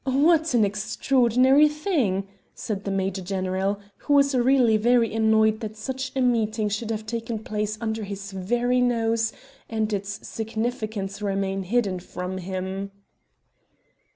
"What an extraordinary thing," said the major general, who was really very annoyed that such a meeting should have taken place under his very nose and its significance remain hidden from him.